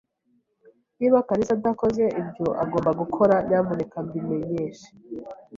Niba kalisa adakoze ibyo agomba gukora, nyamuneka mbimenyeshe.